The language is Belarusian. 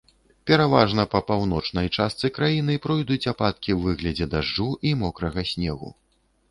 Пераважна па паўночнай частцы краіны пройдуць ападкі ў выглядзе дажджу і мокрага снегу.